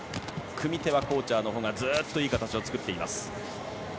組み手はコーチャーのほうがずっといい形を作っています。